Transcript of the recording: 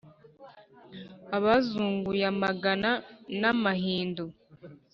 ubazunguye amagana na mahindu.